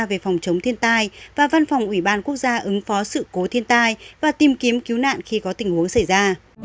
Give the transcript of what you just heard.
về phòng chống thiên tai và văn phòng ủy ban quốc gia ứng phó sự cố thiên tai và tìm kiếm cứu nạn khi có tình huống xảy ra